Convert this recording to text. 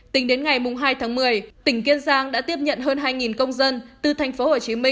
tính đến ngày hai tháng một mươi tỉnh kiên giang đã tiếp nhận hơn hai công dân từ tp hcm